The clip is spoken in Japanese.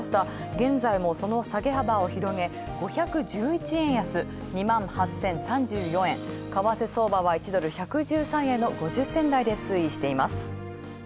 現在もその下げ幅を広げ、５１１円安、２８０３４円、為替相場は１ドル＝１１３円の５０銭台で推移しています。